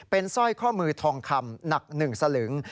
เป็นสร้อยข้อมือทองคำหนัก๑สลึง